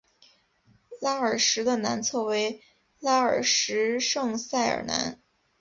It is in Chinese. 拉尔什的南侧为拉尔什圣塞尔南。